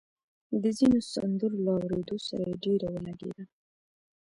د ځينو سندرو له اورېدو سره يې ډېره ولګېده